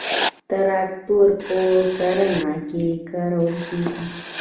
تراکتورونه په کرنه کې کارول کیږي.